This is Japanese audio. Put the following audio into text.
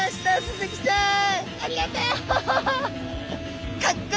ありがとう！